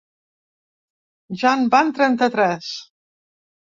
Ja en van trenta-tres!